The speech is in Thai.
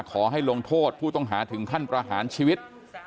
ขอให้ลงโทษผู้ต้องหาถึงขั้นประหารชีวิต